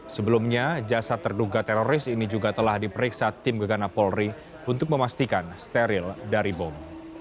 sebelumnya jasad terduga teroris ini juga telah diperiksa tim gegana polri untuk memastikan steril dari bom